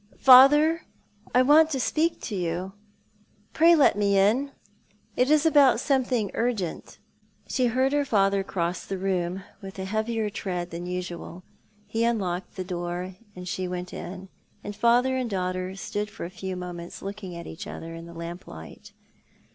" Father, I want to speak to you. Pray let me in. It is about something urgent." She heard her father cross the room, with a heavier tread than usual. He unlocked tlie door, and she went in, and father and daughter stood for a few moments looking at each other in the lamplight.